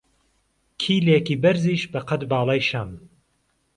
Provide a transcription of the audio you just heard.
کیلێکی بەرزیش بە قەت باڵای شەم